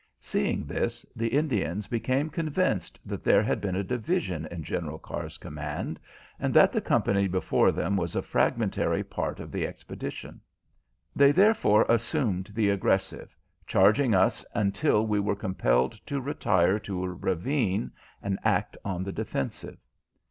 Seeing this, the Indians became convinced that there had been a division in General Carr's command, and that the company before them was a fragmentary part of the expedition. They therefore assumed the aggressive, charging us until we were compelled to retire to a ravine and act on the defensive.